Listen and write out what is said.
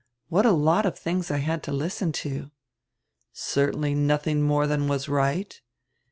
What a lot of tilings I had to listen to!" "Certainly nothing more than was right."